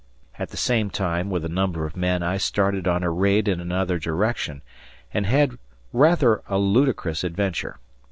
At the same time, with a number of men, I started on a raid in another direction and had rather a ludicrous adventure.